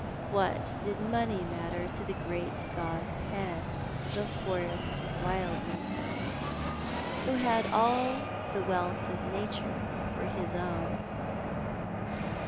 What did money matter to the great god Pan, the forest wildling, who had all the wealth of nature for his own?